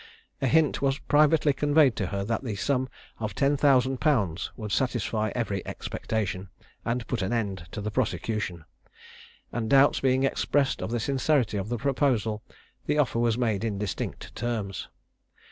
A hint was privately conveyed to her that the sum of ten thousand pounds would satisfy every expectation, and put an end to the prosecution; and doubts being expressed of the sincerity of the proposal, the offer was made in distinct terms.